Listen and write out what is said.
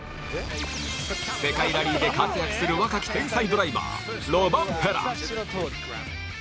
世界ラリーで活躍する若き天才ドライバーロバンペラ。